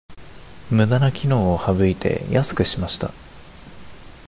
ムダな機能を省いて安くしました